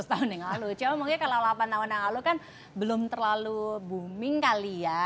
cuma mungkin kalau delapan tahun yang lalu kan belum terlalu booming kali ya